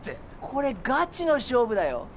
これがちの勝負だよ。